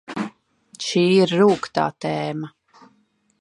Šī ir rūgtā tēma...